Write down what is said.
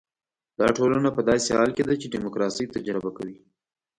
دا ټولنه په داسې حال کې ده چې ډیموکراسي تجربه کوي.